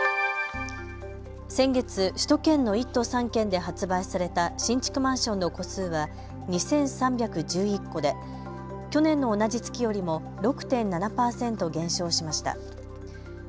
先月、首都圏の１都３県で発売された新築マンションの戸数は２３１１戸で去年の同じ月よりも６．７％減少しました。